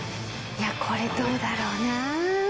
これどうだろうな？